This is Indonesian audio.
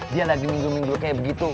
dia lagi minggu minggu kayak begitu